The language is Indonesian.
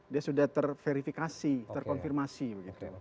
dia sudah terverifikasi terkonfirmasi begitu